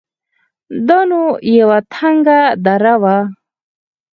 دا نو يوه تنگه دره وه.